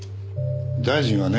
大臣はね